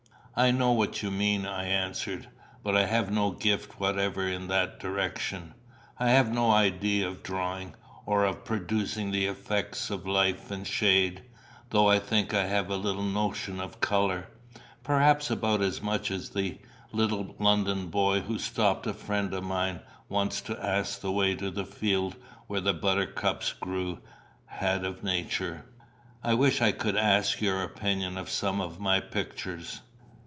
"I know what you mean," I answered; "but I have no gift whatever in that direction. I have no idea of drawing, or of producing the effects of light and shade; though I think I have a little notion of colour perhaps about as much as the little London boy, who stopped a friend of mine once to ask the way to the field where the buttercups grew, had of nature." "I wish I could ask your opinion of some of my pictures."